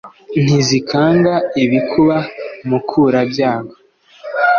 ntizikanga ibikuba, mukura-byago